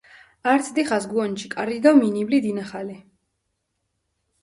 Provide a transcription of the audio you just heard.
ართ დიხას გჷვონჯი კარი დო მინიბლი დინახალე.